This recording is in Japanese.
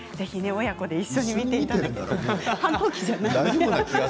ぜひ親子で一緒に見ていただければ。